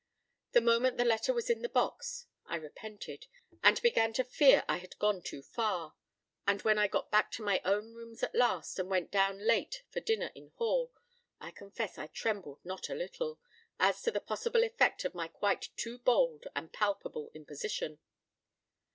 The moment the letter was in the box, I repented, and began to fear I had gone too far: and when I got back to my own rooms at last, and went down late for dinner in hall, I confess I trembled not a little, as to the possible effect of my quite too bold and palpable imposition.